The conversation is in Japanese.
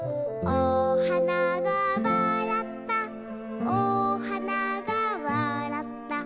「おはながわらったおはながわらった」